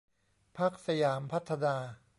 พรรคสยามพัฒนา